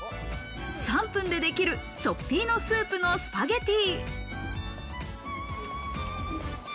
３分でできるチョッピーノスープのスパゲティ。